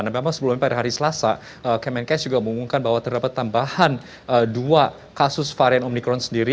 nah memang sebelumnya pada hari selasa kemenkes juga mengumumkan bahwa terdapat tambahan dua kasus varian omikron sendiri